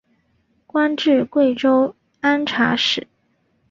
官至贵州按察使。